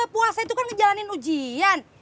puasa itu kan ngejalanin ujian